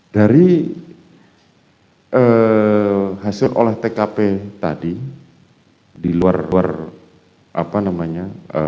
dari hasil oleh tkp tadi di luar apa namanya